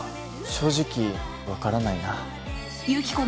正直分からないな。